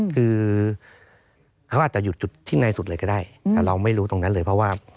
คือเขาอาจจะหยุดจุดที่ในสุดเลยก็ได้แต่เราไม่รู้ตรงนั้นเลยเพราะว่า